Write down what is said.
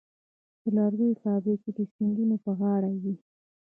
د لرګیو فابریکې د سیندونو په غاړه وې.